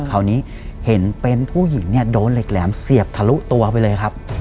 คราวนี้เห็นเป็นผู้หญิงเนี่ยโดนเหล็กแหลมเสียบทะลุตัวไปเลยครับ